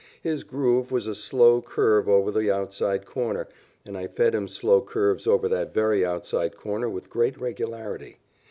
His "groove" was a slow curve over the outside corner, and I fed him slow curves over that very outside corner with great regularity.